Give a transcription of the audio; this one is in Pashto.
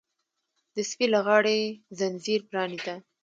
د سپي له غاړې ځنځیر پرانیزه!